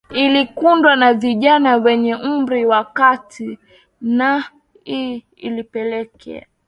kiliundwa na vijana wenye umri wa kati nah ii ilipelekea